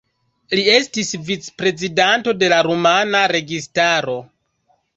Li estis vicprezidanto de la rumana registaro.